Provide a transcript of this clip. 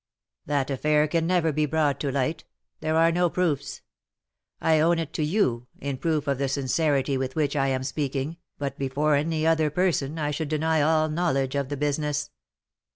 "That affair can never be brought to light, there are no proofs. I own it to you, in proof of the sincerity with which I am speaking, but before any other person I should deny all knowledge of the business."